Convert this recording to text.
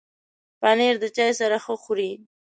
پنېر د چای سره ښه خوري.